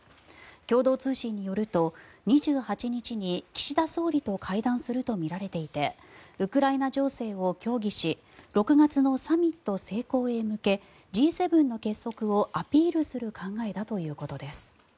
共同通信によると２８日に岸田総理と会談するとみられていてウクライナ情勢を協議し６月のサミット成功へ向けＧ７の結束をアピールする考えだということです。